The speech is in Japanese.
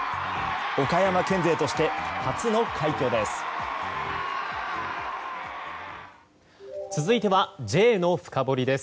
岡山県勢として初の快挙です。